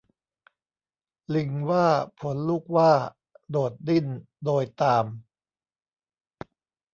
ลิงว่าผลลูกหว้า โดดดิ้นโดยตาม